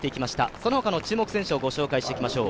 その他の注目選手をご紹介していきましょう。